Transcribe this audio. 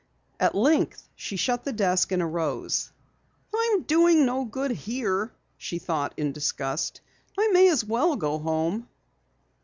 At length she shut the desk and arose. "I'm doing no good here," she thought in disgust. "I may as well go home."